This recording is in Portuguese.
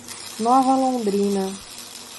Nova Londrina